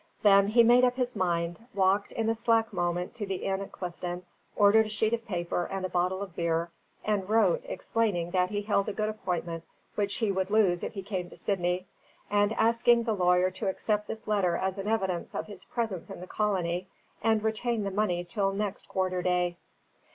Then he made up his mind, walked in a slack moment to the inn at Clifton, ordered a sheet of paper and a bottle of beer, and wrote, explaining that he held a good appointment which he would lose if he came to Sydney, and asking the lawyer to accept this letter as an evidence of his presence in the colony, and retain the money till next quarter day.